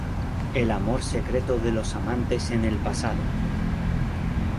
El amor secreto de los amantes en el pasado.